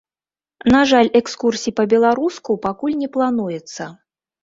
На жаль экскурсій па-беларуску пакуль не плануецца.